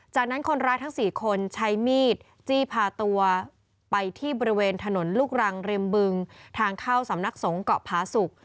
จากนั้นคนร้ายทั้ง๔คนใช้มีดจี้พาตัวไปที่บริเวณถนนลูกรังริมบึงทางเข้าสำนักสงเกาะผาสุก